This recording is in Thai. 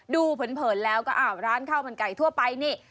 เผินแล้วก็อ้าวร้านข้าวมันไก่ทั่วไปนี่